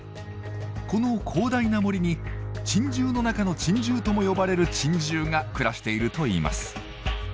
この広大な森に珍獣の中の珍獣とも呼ばれる珍獣が暮らしているといいます。